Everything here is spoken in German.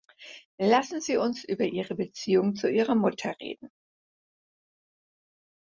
Lassen Sie uns über Ihre Beziehung zu Ihrer Mutter reden.